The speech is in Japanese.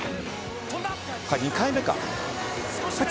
２回目か。